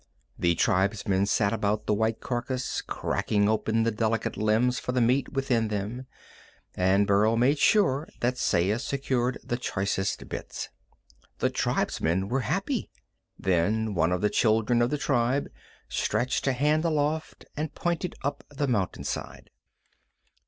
The tribesmen sat about the white carcass, cracking open the delicate limbs for the meat within them, and Burl made sure that Saya secured the choicest bits. The tribesmen were happy. Then one of the children of the tribe stretched a hand aloft and pointed up the mountainside.